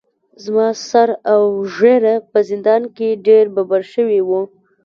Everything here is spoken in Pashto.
زما سر اوږېره په زندان کې ډیر ببر شوي وو.